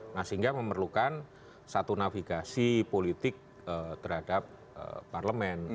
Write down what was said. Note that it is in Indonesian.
nah sehingga memerlukan satu navigasi politik terhadap parlemen